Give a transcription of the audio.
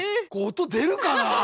音出るかな。